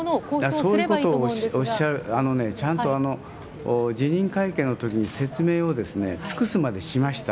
そういうことを、あのね、ちゃんと、辞任会見のときに、説明を尽くすまでしました。